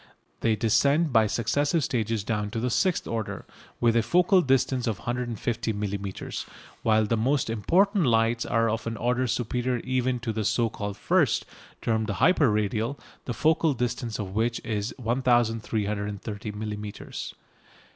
They descend by successive stages down to the sixth order, with a focal distance of 150 millimetres, while the most important lights are of an order superior even to the so called "first," termed the "hyper radial," the focal distance of which is 1330 millimetres.